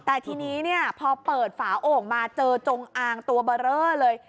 แต่ทีนี้เนี่ยพอเปิดฝาโอ่งมาเจอจงอางตัวเบอร์เรอเลย